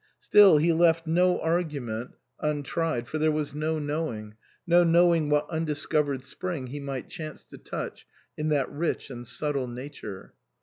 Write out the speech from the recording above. Still, he left 110 argument untried, for there was no knowing no knowing what undiscovered spring he might chance to touch in that rich and subtle nature.